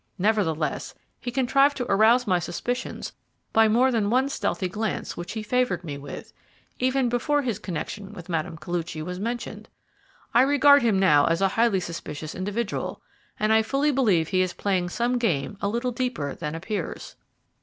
Nevertheless, he contrived to arouse my suspicions by more than one stealthy glance which he favoured me with, even before his connection with Mme. Koluchy was mentioned. I regard him now as a highly suspicious individual, and I fully believe he is playing some game a little deeper than appears."